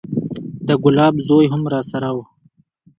د ګلاب زوى هم راسره و.